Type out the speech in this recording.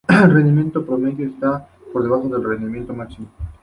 El rendimiento promedio está por debajo del rendimiento máximo.